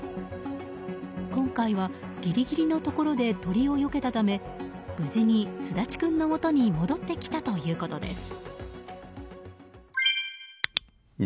今回は、ギリギリのところで鳥をよけたため無事に、すだちくんのもとに戻ってきたということです。